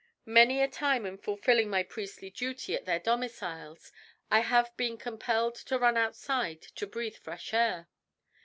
Many a time in fulfilling my priestly duty at their domiciles I have been compelled to run outside to breathe fresh air.